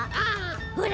ほら。